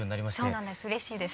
そうなんです。